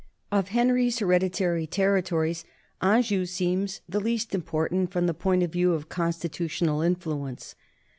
Of Henry's hereditary territories, Anjou seems the least important from the point of view of constitutional influence.